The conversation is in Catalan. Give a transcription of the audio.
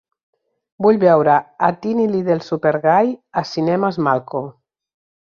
Vull veure a Teeny Little Super Guy a Cinemes Malco.